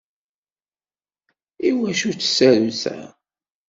Iwacu-tt tsarutt-a?